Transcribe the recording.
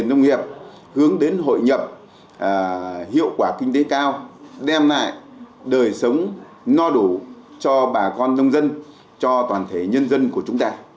nông nghiệp hướng đến hội nhập hiệu quả kinh tế cao đem lại đời sống no đủ cho bà con nông dân cho toàn thể nhân dân của chúng ta